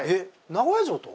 名古屋城と！？